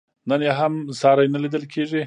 نن یې هم ساری نه لیدل کېږي.